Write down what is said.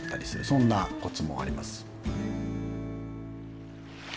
そんなコツもあります。